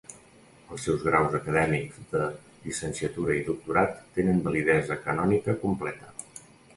Els seus graus acadèmics de llicenciatura i doctorat tenen validesa canònica completa.